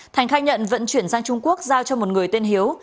thành khai nhận vận chuyển sang trung quốc giao cho một người tên hiếu